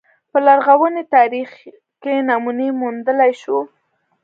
په لرغوني تاریخ کې نمونې موندلای شو